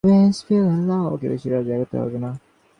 তাই, ওকে বেশি রাত জাগতে দেবে না।